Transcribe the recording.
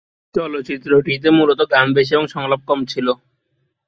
চলচ্চিত্রটিতে মূলত গান বেশি এবং সংলাপ কম ছিল।